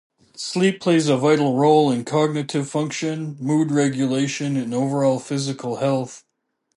Sleep plays a vital role in cognitive function, mood regulation, and overall physical health.